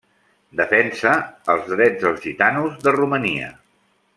Defensa els drets dels gitanos de Romania.